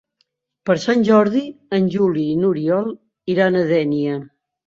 Per Sant Jordi en Juli i n'Oriol iran a Dénia.